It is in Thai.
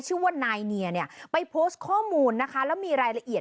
ชื่อว่านายเนียเนี่ยไปโพสต์ข้อมูลนะคะแล้วมีรายละเอียด